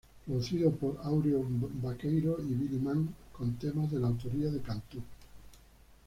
Producido por Áureo Baqueiro y Billy Mann, con temas de la autoría de Cantú.